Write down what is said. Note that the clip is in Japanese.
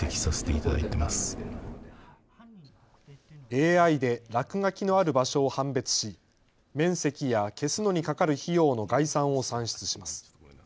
ＡＩで落書きのある場所を判別し面積や消すのにかかる費用の概算を算出します。